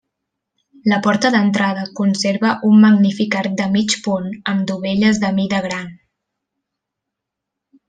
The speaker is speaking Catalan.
La porta d'entrada conserva un magnífic arc de mig punt amb dovelles de mida gran.